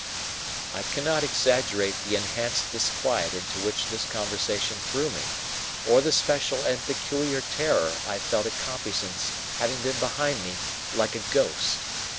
I cannot exaggerate the enhanced disquiet into which this conversation threw me, or the special and peculiar terror I felt at Compeyson's having been behind me "like a ghost."